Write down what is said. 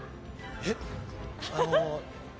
えっ？